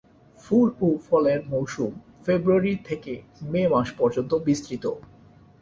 ফুল ও ফলের মৌসুম ফেব্রুয়ারি থেকে মে মাস পর্যন্ত বিস্তৃত।